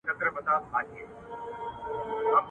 پر پچه وخوت، کشمير ئې وکوت.